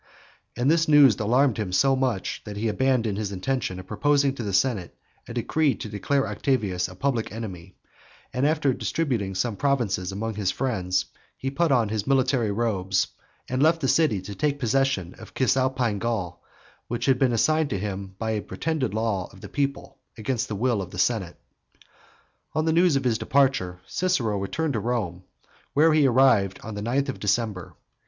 And this news alarmed him so much, that he abandoned his intention of proposing to the senate a decree to declare Octavius a public enemy, and after distributing some provinces among his friends, he put on his military robes, and left the city to take possession of Cisalpine Gaul, which had been assigned to him by a pretended law of the people, against the will of the senate. On the news of his departure Cicero returned to Rome, where he arrived on the ninth of December.